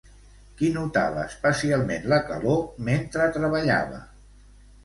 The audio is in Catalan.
Qui notava especialment la calor mentre treballava?